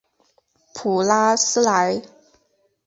普拉斯莱。